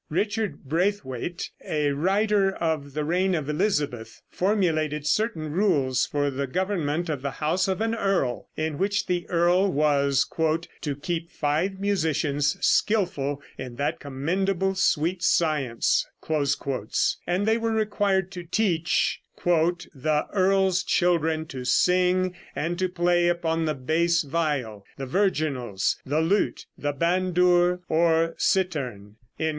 Richard Braithwaite, a writer of the reign of Elizabeth, formulated certain rules for the government of the house of an earl, in which the earl was "to keep five musicians, skillful in that commendable sweet science"; and they were required to teach "the earl's children to sing and to play upon the bass viol, the virginals, the lute, the bandour or cittern."